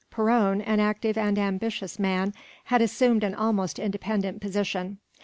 Perron, an active and ambitious man, had assumed an almost independent position.